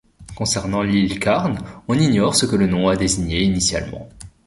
Concernant l'île Carn, on ignore ce que le nom a désigné initialement.